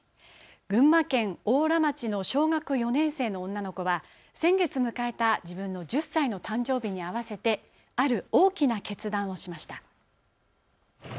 群馬県邑楽町の小学４年生の女の子は先月、迎えた自分の１０歳の誕生日に合わせてある大きな決断をしました。